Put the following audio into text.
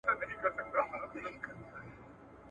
پلار په یو وخت په مکتب کي شامل کړله